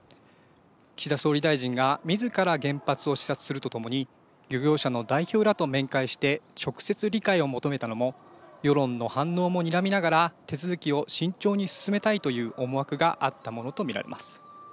岸田総理大臣がみずから原発を視察するとともに漁業者の代表らと面会して、直接理解を求めたのも、世論の反応もにらみながら手続きを慎重に進めたいという思惑があったものと見られます。